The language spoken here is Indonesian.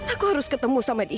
aku harus ketemu sama dia